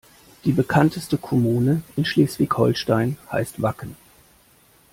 Die bekannteste Kommune in Schleswig-Holstein heißt Wacken.